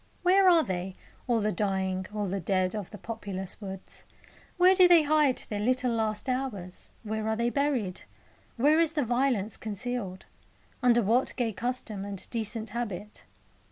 Where are they all the dying, all the dead, of the populous woods? Where do they hide their little last hours, where are they buried? Where is the violence concealed? Under what gay custom and decent habit?